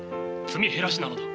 積み減らしなのだ。